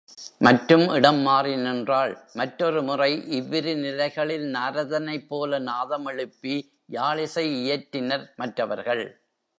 மற்றும் இடம் மாறிநின்றாள் மற்றொரு முறை இவ்விருநிலைகளில் நாரதனைப் போல நாதம் எழுப்பி யாழ் இசை இயற்றினர் மற்றவர்கள்.